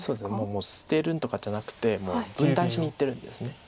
もう捨てるとかじゃなくて分断しにいってるんです。